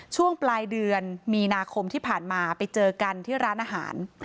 ช่วงปลายเดือนมีนาคมที่ผ่านมาไปเจอกันที่ร้านอาหาร